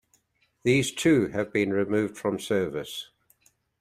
These too have been removed from service.